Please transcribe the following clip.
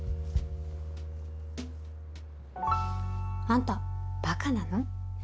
あんたバカなの？